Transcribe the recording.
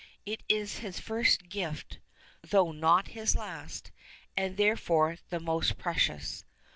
It is his first gift (though not his last), and therefore the most precious.